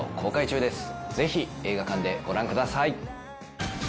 ぜひ映画館でご覧ください。